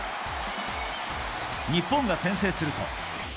日本が先制すると。